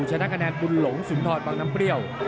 ชนะคะแนนบุญหลงสุนทรบังน้ำเปรี้ยว